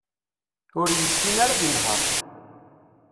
Ur yessin ara ad inher.